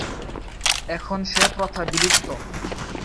এখন সে প্রথা বিলুপ্ত।